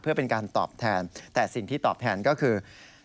เพื่อเป็นการตอบแทนแต่สิ่งที่ตอบแทนก็คือ